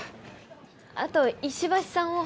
「あと石橋さんを」